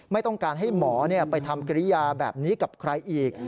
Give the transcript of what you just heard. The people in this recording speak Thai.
ไม่ต้องการให้หมอไปทำกิริยาแบบนี้กับใครอีก